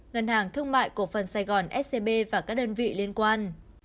ngân hàng thương mại cổ phần sài gòn scb và các đơn vị liên quan